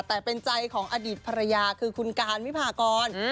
แต่เป็นใจของอดีตภรรยาคือคุณการวิพากร